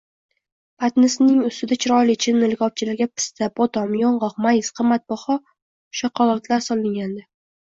Patnisning ustida chiroyli chinni likopchalarga pista, bodom, yong`oq, mayiz, qimmatbaho shoqolodlar solingandi